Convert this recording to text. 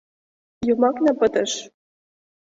«Йомакна» пытыш.